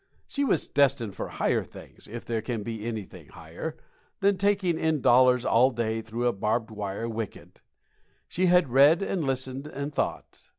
She was destined for higher things (if there can be anything higher) than taking in dollars all day through a barbed wire wicket. She had read and listened and thought.